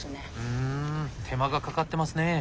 ふん手間がかかってますね。